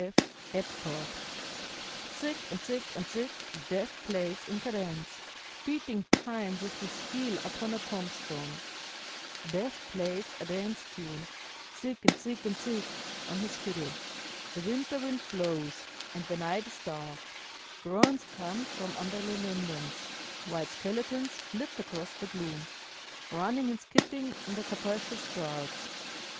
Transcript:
F. Apthorp): "Zig and Zig and Zig, Death plays in cadence, Beating time with his heel upon a tombstone; Death plays a dance tune, Zig and Zig and Zig, on his fiddle. The winter wind blows, and the night is dark; Groans come from under the lindens; White skeletons flit across the gloom, Running and skipping in their capacious shrouds.